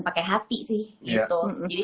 pakai hati sih gitu jadi